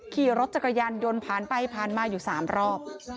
ขี่รถจักรยานยนต์ผ่านไปผ่านมาอยู่๓รอบ